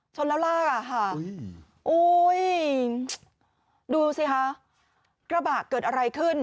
โอจดูสิคะกระบะเกิดอะไรขึ้น